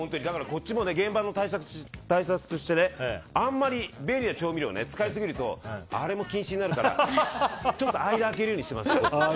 だからこっちも現場の対策としてあまり便利な調味料を使いすぎるとあれも禁止になるからちょっと間開けるようにしてます。